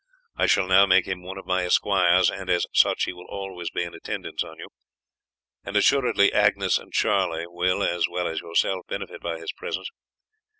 I shall now make him one of my esquires, and as such he will always be in attendance on you; and assuredly Agnes and Charlie will, as well as yourself, benefit by his presence.